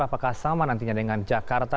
apakah sama nantinya dengan jakarta